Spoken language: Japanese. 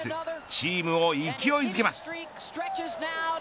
チームを勢いづけます。